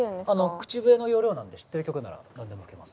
口笛の要領なんで知ってる曲ならなんでも吹けます。